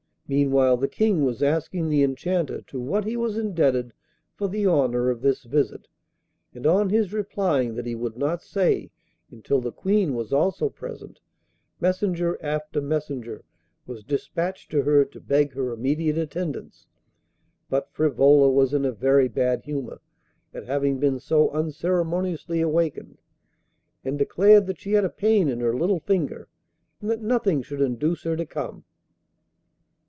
Meanwhile the King was asking the Enchanter to what he was indebted for the honour of this visit, and on his replying that he would not say until the Queen was also present, messenger after messenger was dispatched to her to beg her immediate attendance. But Frivola was in a very bad humour at having been so unceremoniously awakened, and declared that she had a pain in her little finger, and that nothing should induce her to come.